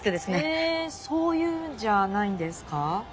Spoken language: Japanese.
へえそういうんじゃないんですか？